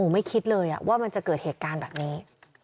ไม่คิดเลยว่ามันจะเกิดเหตุการณ์แบบนี้